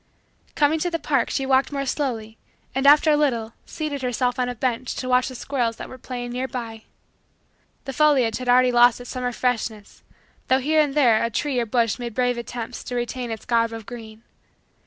Coming to the park, she walked more slowly and, after a little, seated herself on a bench to watch the squirrels that were playing nearby. The foliage had already lost its summer freshness though here and there a tree or bush made brave attempt to retain its garb of green.